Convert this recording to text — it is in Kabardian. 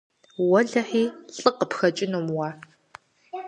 Уэлэхьи, лӀы къыпхэкӀынум уэ.